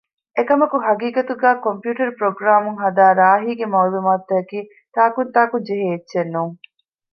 އެކަމަކު ޙަޤީޤަތުގައި ކޮމްޕިއުޓަރު ޕްރޮގްރާމުން ހަދާ ރާހީގެ މަޢުލޫމާތު ތަކަކީ ތާނކުންތާކު ޖެހޭ އެއްޗެއް ނޫން